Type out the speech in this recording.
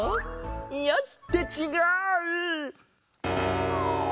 よし！ってちがう！